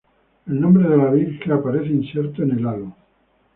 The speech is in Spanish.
El nombre de la Virgen aparece inserto en el halo.